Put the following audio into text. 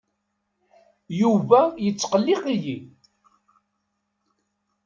Yuba yettqelliq-iyi.